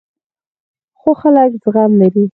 خو خلک زغم لري.